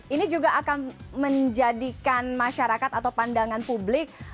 ini juga akan menjadikan masyarakat atau pandangan publik